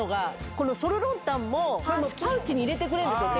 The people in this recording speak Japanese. このソルロンタンもパウチに入れてくれるんですよ。